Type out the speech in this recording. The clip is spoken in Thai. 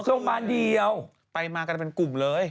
อุ้ยมากี้ช็อกกี้สกิกหรือไม๊น้อง